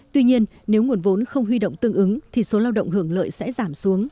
tuy nhiên nếu nguồn vốn không huy động tương ứng thì số lao động hưởng lợi sẽ giảm xuống